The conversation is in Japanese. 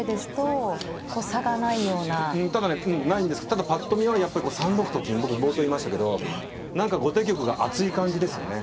ただぱっと見はやっぱり３六と金僕冒頭言いましたけど何か後手玉が厚い感じですよね。